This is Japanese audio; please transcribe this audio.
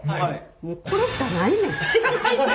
もうこれしかないねん。